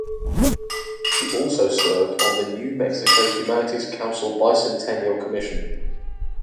He also served on the New Mexico Humanities Council Bicentennial Commission.